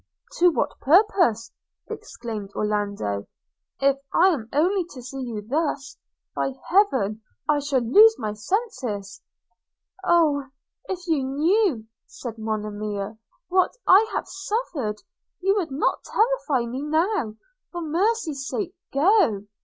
'To what purpose,' exclaimed Orlando, 'if I am only to see you thus? By Heaven I shall lose my senses!' 'Oh! if you knew,' said Monimia, 'what I have suffered, you would not terrify me now – for mercy's sake, go!'